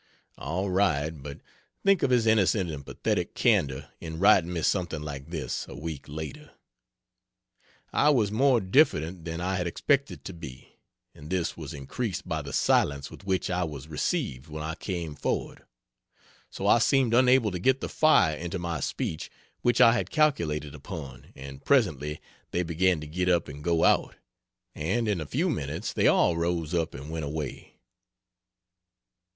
All right but think of his innocent and pathetic candor in writing me something like this, a week later: "I was more diffident than I had expected to be, and this was increased by the silence with which I was received when I came forward; so I seemed unable to get the fire into my speech which I had calculated upon, and presently they began to get up and go out; and in a few minutes they all rose up and went away."